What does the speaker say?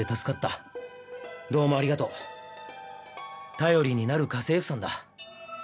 頼りになる家政婦さんだ。